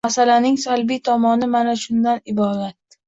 Masalaning salbiy tomoni mana shundan iborat.